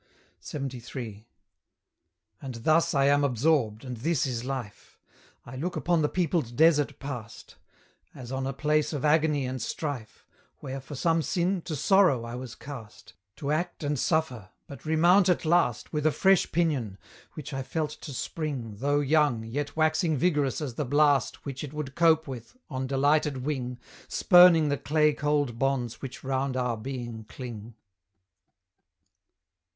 LXXIII. And thus I am absorbed, and this is life: I look upon the peopled desert Past, As on a place of agony and strife, Where, for some sin, to Sorrow I was cast, To act and suffer, but remount at last With a fresh pinion; which I felt to spring, Though young, yet waxing vigorous as the blast Which it would cope with, on delighted wing, Spurning the clay cold bonds which round our being cling.